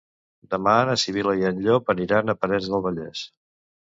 Demà na Sibil·la i en Llop aniran a Parets del Vallès.